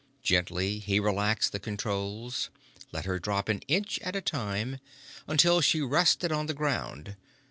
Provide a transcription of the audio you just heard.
Gently he relaxed the controls, let her drop an inch at a time until she rested on the ground.